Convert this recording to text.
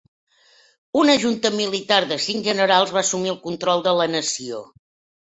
Una junta militar de cinc generals va assumir el control de la nació.